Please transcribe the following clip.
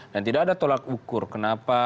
dan tidak ada tolak ukur kenapa